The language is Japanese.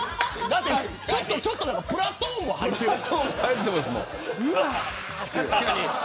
ちょっとプラトーンも入ってるよね。